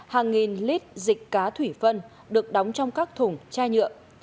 hàng nghìn lít dịch cá thủy phân được đóng trong các thùng chai nhựa